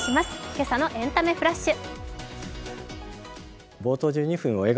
今朝のエンタメフラッシュ。